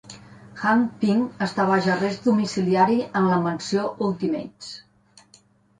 Hank Pym està baix arrest domiciliari en la Mansió Ultimates.